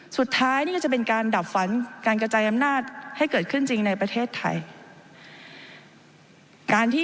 สุดท้ายนี่ก็จะเป็นการดับฝันการกระจายอำนาจให้เกิดขึ้นจริงในประเทศไทย